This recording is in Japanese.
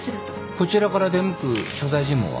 こちらから出向く所在尋問は？